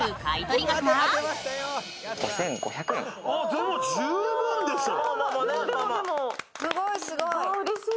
でも十分でしょ。